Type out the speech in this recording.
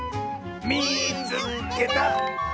「みいつけた！」。